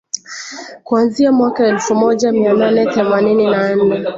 kuanzia mwaka elfu moja mia nane themanini na nne